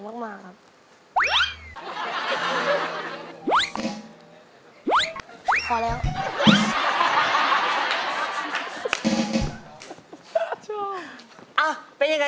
กลับมาฟังเพลง